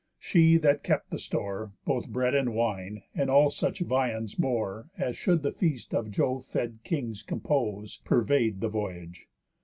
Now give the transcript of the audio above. She that kept the store, Both bread and wine, and all such viands more, As should the feast of Jove fed kings compose, Purvey'd the voyage.